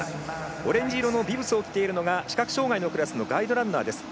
オレンジ色のビブスを着ているのが視覚障がいのクラスのガイドランナーです。